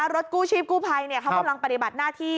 รถกู้ชีพกู้ภัยเขากำลังปฏิบัติหน้าที่